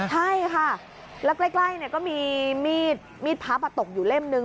ใช่ค่ะแล้วใกล้ก็มีมีดพับตกอยู่เล่มนึง